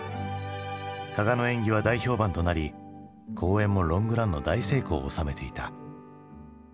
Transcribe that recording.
加賀の演技は大評判となり公演もロングランの大成功を収めていた。